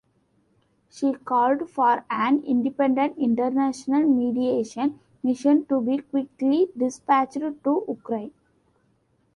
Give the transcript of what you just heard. She called for an independent international mediation mission to be quickly dispatched to Ukraine.